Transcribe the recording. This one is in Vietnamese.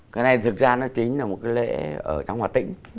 cái này thực ra nó chính là một cái lễ ở trong hoạt tĩnh